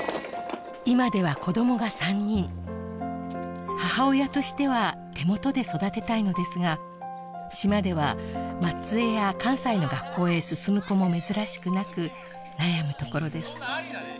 今では子どもが３人母親としては手元で育てたいのですが島では松江や関西の学校へ進む子も珍しくなく悩むところです